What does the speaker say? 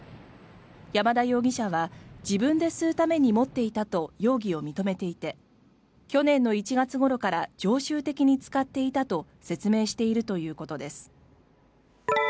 山田容疑者は自分で吸うために持っていたと容疑を認めていて去年の１月ごろから常習的に使っていたと説明しているということです。